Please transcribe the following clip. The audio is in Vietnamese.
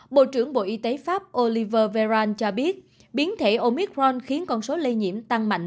bộ trưởng bộ y tế pháp oliver veran cho biết biến thể omicron khiến con số lây nhiễm tăng mạnh